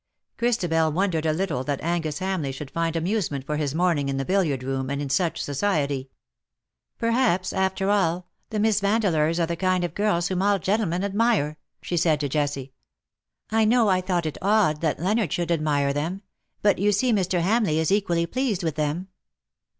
Christabel won dered a little that Angus Hamleigh should find amusement for his morning in the billiard room, and in such society. '' Perhaps, after all, the Miss Vandeleurs are the kind of girls whom all gentlemen admire,^^ she THAT THE DAY WILL END." 225 said to Jessie. " I know I tliouglit it odd that Leonard should admire them; but you see Mr. Hamleigh is equally pleased with them.